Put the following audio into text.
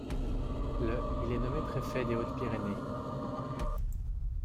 Le il est nommé préfet des Hautes-Pyrénées.